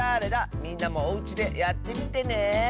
みんなもおうちでやってみてね！